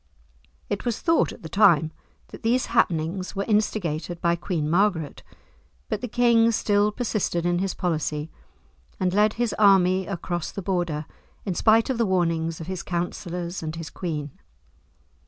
It was thought at the time that these happenings were instigated by Queen Margaret, but the king still persisted in his policy, and led his army across the Border, in spite of the warnings of his counsellors and his queen.